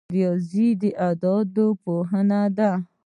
ریاضي د اعدادو پوهنه ده